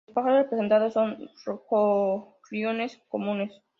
Los pájaros representados son gorriones comunes.